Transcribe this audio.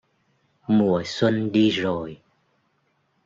Mùa xuân đi rồi